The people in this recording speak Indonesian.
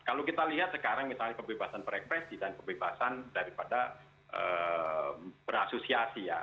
kalau kita lihat sekarang misalnya kebebasan perekspresi dan kebebasan daripada berasosiasi ya